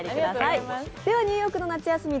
「ニューヨークの夏休み」